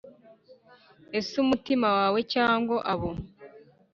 Ese umutima wawe cyangwa abo